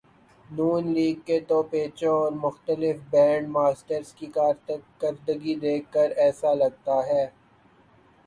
ن لیگ کے توپچیوں اور مختلف بینڈ ماسٹرز کی کارکردگی دیکھ کر ایسا لگتا ہے۔